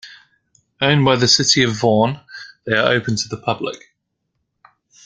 Owned by the City of Vaughan, they are open to the public.